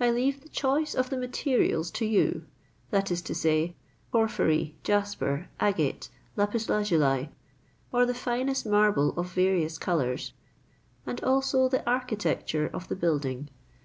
I leave the choice of the materials to you, that is to say, porphyry, jasper, agate, lapis lazuli, or the finest marble of various colours, and also the architecture of the building.